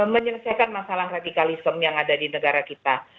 menyelesaikan masalah radikalisme yang ada di negara kita